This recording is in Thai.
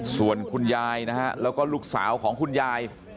ส่วนคุณยายนะฮะแล้วก็ลูกสาวของคุณยาย